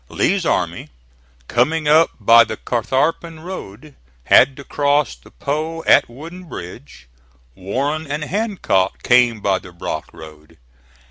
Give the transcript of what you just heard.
Lee's army coming up by the Catharpin Road, had to cross the Po at Wooden Bridge. Warren and Hancock came by the Brock Road.